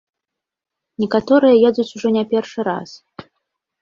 Некаторыя едуць ужо не першы раз.